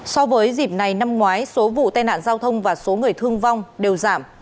so với dịp này năm ngoái số vụ tai nạn giao thông và số người thương vong đều giảm